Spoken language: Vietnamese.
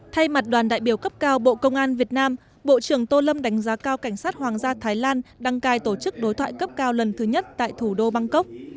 thay mặt đoàn đại biểu cấp cao bộ công an việt nam bộ trưởng tô lâm đánh giá cao cảnh sát hoàng gia thái lan đăng cai tổ chức đối thoại cấp cao lần thứ nhất tại thủ đô bangkok